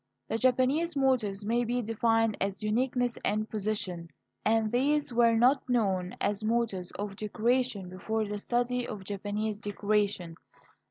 The Japanese motives may be defined as uniqueness and position. And these were not known as motives of decoration before the study of Japanese decoration.